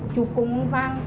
chụp cùng vang